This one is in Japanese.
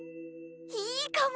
いいかも！